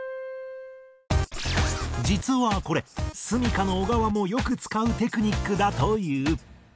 実はこれｓｕｍｉｋａの小川もよく使うテクニックだという。